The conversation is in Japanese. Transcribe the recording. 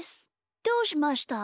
どうしました？